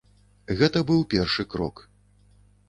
Гэта быў першы крок.